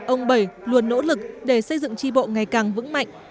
ông bảy luôn nỗ lực để xây dựng chi bộ ngày càng vững mạnh